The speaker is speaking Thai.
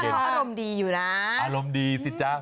กูแต่อยากรอบอารมณ์ดีอยู่นะอร่นมดีสิจ๊ะ